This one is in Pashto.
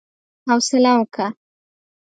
حوصله وکه!